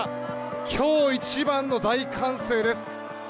今日一番の大歓声です。